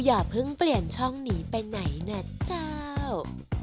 อย่าเพิ่งเปลี่ยนช่องหนีไปไหนนะเจ้า